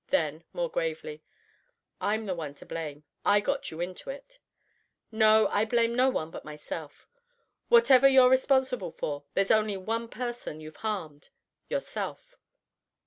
Then, more gravely: "I'm the one to blame; I got you into it." "No, I blame no one but myself. Whatever you're responsible for, there's only one person you've harmed yourself."